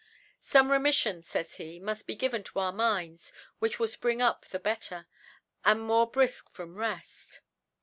* Some Remiillon, fays he, muft be given * to our Minds, which will fpring up the * better, and nfM>rc briflc from Reft.